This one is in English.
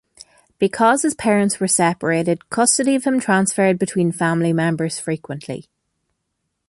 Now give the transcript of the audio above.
Because his parents were separated, custody of him transferred between family members frequently.